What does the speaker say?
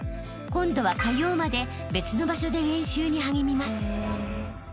［今度は火曜まで別の場所で練習に励みます］